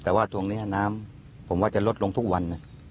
แต่ว่าตรงนี้น้ำผมว่าจะลดลงทุกวัน